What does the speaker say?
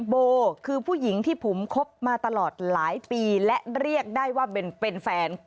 โบคือผู้หญิงที่ผมคบมาตลอดหลายปีและเรียกได้ว่าเป็นแฟน